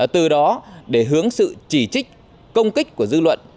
từ đó để hướng sự chỉ trích công kích của dư luận